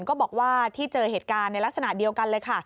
ก็บอกว่าที่เจอเหตุการณ์ในลักษณะเดียวกันเลยค่ะ